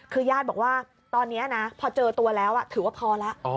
คือญาติบอกว่าตอนนี้นะพอเจอตัวแล้วถือว่าพอแล้ว